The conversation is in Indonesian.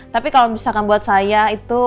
tapi kalau misalkan buat saya itu